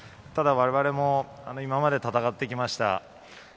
ただ我々も今まで戦ってきました。